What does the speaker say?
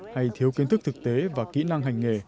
hay thiếu kiến thức thực tế và kỹ năng hành nghề